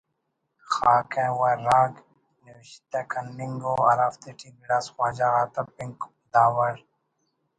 خاکہ و راگ نوشتہ کننگ ءُ ہرافتیٹی گڑاس خواجہ غاتا پنک دادو